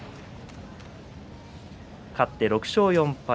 勝って６勝４敗。